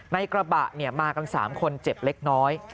กระบะมากัน๓คนเจ็บเล็กน้อย